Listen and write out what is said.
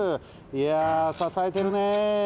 いやささえてるね！